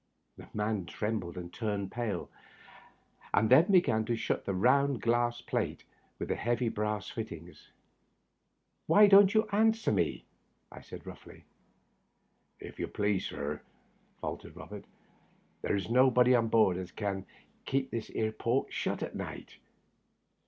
The man trembled and turned pale, and then began to shut the round glass plate with the heavy brass fittings. " Why don't you answer me ?" I said, roughly. " If you please, sir," faltered Eobert, " there's nobody on board as can keep this 'ere port shut at night.